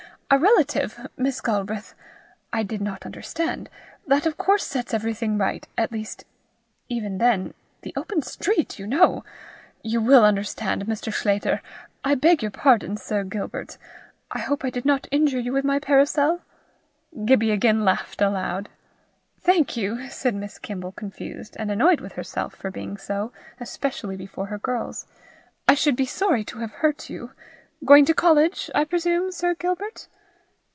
A relative, Miss Galbraith! I did not understand. That of course sets everything right at least even then the open street, you know! You will understand, Mr. Sclater. I beg your pardon, Sir Gilbert. I hope I did not hurt you with my parasol!" Gibbie again laughed aloud. "Thank you," said Miss Kimble confused, and annoyed with herself for being so, especially before her girls. "I should be sorry to have hurt you. Going to college, I presume, Sir Gilbert?"